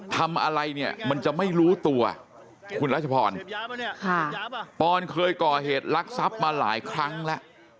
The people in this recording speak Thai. ทำอะไรเนี่ยมันจะไม่รู้ตัวคุณรัชพรปอนเคยก่อเหตุลักษัพมาหลายครั้งแล้ว